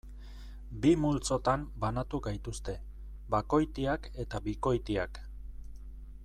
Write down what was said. Bi multzotan banatu gaituzte: bakoitiak eta bikoitiak.